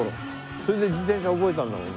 それで自転車覚えたんだもん